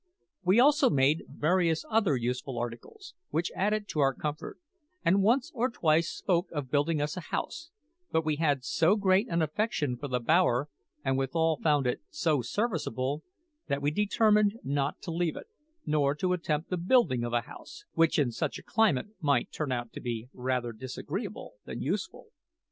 We also made various other useful articles, which added to our comfort, and once or twice spoke of building us a house; but we had so great an affection for the bower, and withal found it so serviceable, that we determined not to leave it, nor to attempt the building of a house, which in such a climate might turn out to be rather disagreeable than useful.